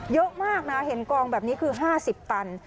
เยอะมากนะเห็นกองแบบนี้คือ๕๐ตัน